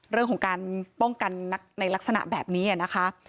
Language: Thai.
เรื่องของการป้องกันในลักษณะแบบนี้นะคะ